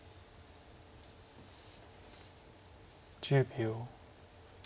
１０秒。